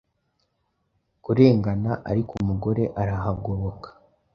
kurenganaariko umugore arahagoboka